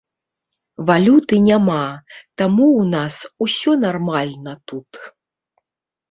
Валюты няма, таму ў нас усё нармальна тут.